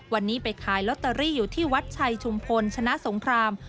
วันนี้ไปขายลอตเตอรี่อยู่ที่วัดชัยชุมพลชนะสงคราม